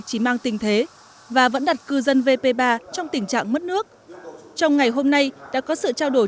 chỉ mang tình thế và vẫn đặt cư dân vp ba trong tình trạng mất nước trong ngày hôm nay đã có sự trao đổi